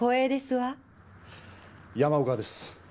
山岡です。